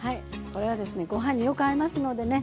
これはですねご飯によく合いますのでね